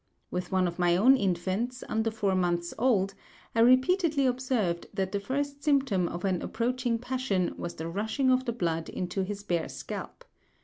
With one of my own infants, under four months old, I repeatedly observed that the first symptom of an approaching passion was the rushing of the blood into his bare scalp.